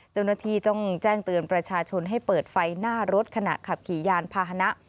เจ้าหน้าที่ต้องแจ้งเตือนประชาชนให้เปิดไฟหน้ารถขณะขับขี่ยานพาหนะ